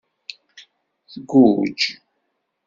Tgujj.